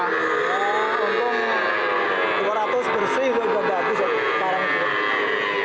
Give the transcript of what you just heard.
untung dua ratus kursi dua ratus baki